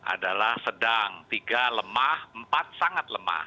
adalah sedang tiga lemah empat sangat lemah